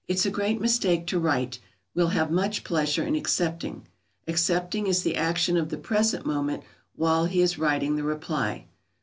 ] It's a great mistake to write: "Will have much pleasure in accepting." Accepting is the action of the present moment while he is writing the reply.